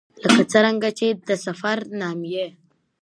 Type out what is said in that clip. ـ لکه څرنګه چې د سفر نامې